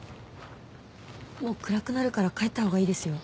もう暗くなるから帰ったほうがいいですよ。